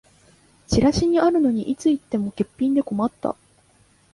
チラシにあるのにいつ行っても欠品で困った